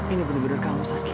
ini benar benar kamu saski